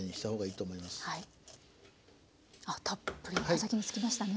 たっぷり刃先に付きましたね。